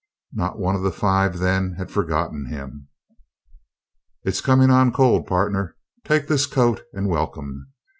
Not one of the five, then, had forgotten him. Its comin on cold, partner. Take this coat and welcome.